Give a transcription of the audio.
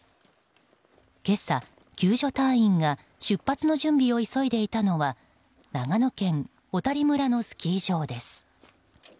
今朝、救助隊員が出発の準備を急いでいたのは長野県小谷村のスキー場です。